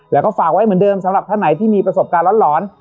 แล้วก็ฝากไว้เหมือนเดิมสำหรับท่านไหนที่มีประสบการณ์หลอน